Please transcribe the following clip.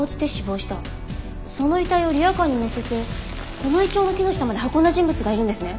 その遺体をリヤカーにのせてこのイチョウの木の下まで運んだ人物がいるんですね。